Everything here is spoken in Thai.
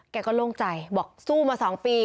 แกก็โล่งใจบอกสู้มา๒ปี